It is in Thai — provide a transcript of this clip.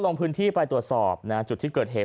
ลงพื้นที่ไปตรวจสอบจุดที่เกิดเหตุ